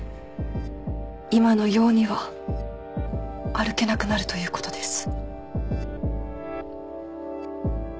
今のようには歩けなくなるということです。